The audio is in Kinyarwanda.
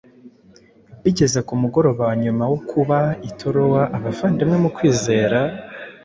Bigeze ku mugoroba wa nyuma wo kuba i Tirowa abavandimwe mu kwizera